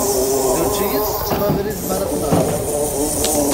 D učči i ttetteḍ abrid mi ara tnehhreḍ.